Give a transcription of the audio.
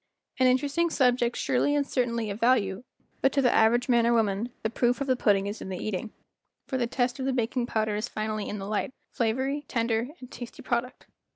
An interesting subject surely and certainly of value, but to the average man or woman "the proof of the pudding is in the eating, for the test of the baking powder is finally in the light, flavory, tender, and tasty product.